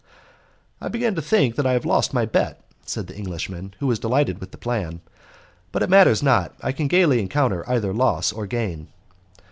"I begin to think that I have lost my bet," said the Englishman, who was delighted with the plan; "but it matters not, I can gaily encounter either loss or gain."